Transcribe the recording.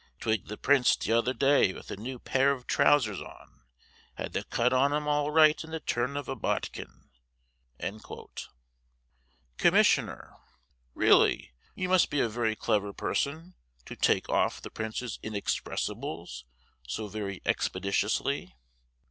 Twigged the 'Prince' t'other day with a new pair of trousers on, had the cut on 'em all right in the turn of a bodkin." Commissioner: Really you must be a very clever person to "take off" the Prince's inexpressibles so very expeditiously.